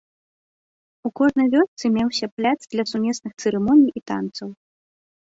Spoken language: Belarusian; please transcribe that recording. У кожнай вёсцы меўся пляц для сумесных цырымоній і танцаў.